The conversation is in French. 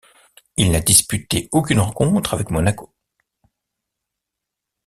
Il n'a disputé aucune rencontre avec Monaco.